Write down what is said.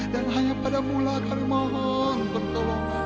dan hanya pada mulakan maafan bertolongan